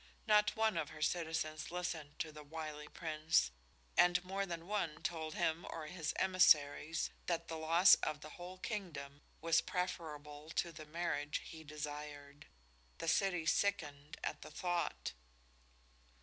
Not one of her citizens listened to the wily Prince, and more than one told him or his emissaries that the loss of the whole kingdom was preferable to the marriage he desired. The city sickened at the thought.